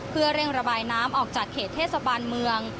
เพื่อเร่งระบายน้ำออกจากเขตเทศบาลเมือง